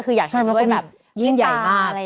คือยากจะเห็นด้วยยิ่งใหญ่มาก